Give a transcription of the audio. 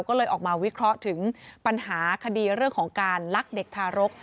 ก็เลยออกมาวิเคราะห์ถึงปัญหาคดีเรื่องของการลักเด็กทารก